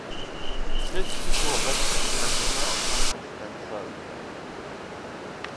Wszyscy tu obecni pragniemy osiągnąć ten cel